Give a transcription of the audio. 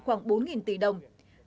khoảng bốn tỷ đồng hai mươi hai mươi năm